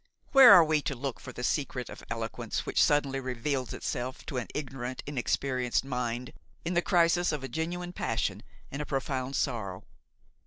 Where are we to look for the secret of eloquence which suddenly reveals itself to an ignorant, inexperienced mind in the crisis of a genuine passion and a profound sorrow?